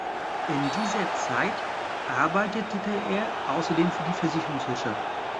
In dieser Zeit arbeitete er außerdem für die Versicherungswirtschaft.